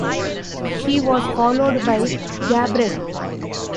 She was followed by "Gabbard".